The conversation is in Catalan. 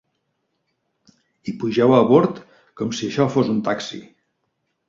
I pugeu a bord com si això fos un taxi.